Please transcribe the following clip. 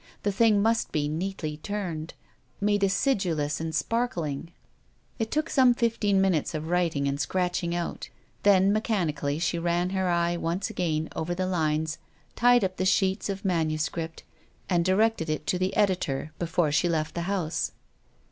The thing must be neatly turned, made acidulous, and sparkling ; it took some fifteen minutes of writing and scratching out. Then mechanically she ran her eye once again over the lines, tied up the sheets of MS., and directed it to the editor of The F<m before she left the house.